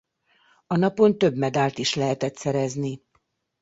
A napon több medált is lehetett szerezni.